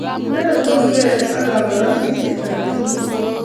Inendet komgerge ak kobarisiet alak tukul.